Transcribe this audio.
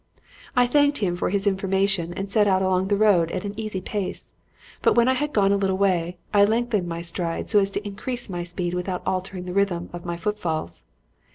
"I thanked him for his information and set out along the road at an easy pace; but when I had gone a little way, I lengthened my stride so as to increase my speed without altering the rhythm of my footfalls.